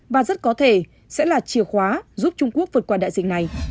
và rất có thể sẽ là chìa khóa giúp trung quốc vượt qua đại dịch này